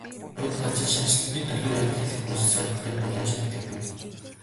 Бодгальчид шинэчлэлийн төлөө эрэлхийлэх хүсэл сонирхлын боломжид итгэдэг.